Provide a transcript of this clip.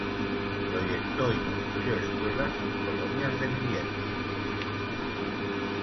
Proyectó y construyó escuelas, colonias de viviendas.